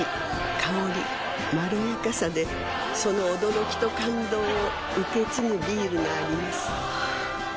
香りまろやかさでその驚きと感動を受け継ぐビールがあります